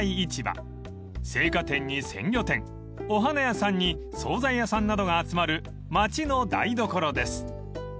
［青果店に鮮魚店お花屋さんに総菜屋さんなどが集まる街の台所です］